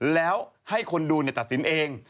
แล้วให้คนดูตัดสินเอง